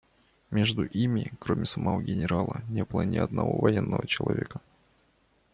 Между ими, кроме самого генерала, не было ни одного военного человека.